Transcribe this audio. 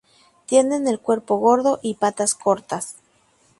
Tiene el cuerpo gordo y patas cortas.